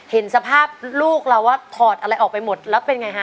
เห็นสภาพลูกเราว่าถอดอะไรออกไปหมดแล้วเป็นไงฮะ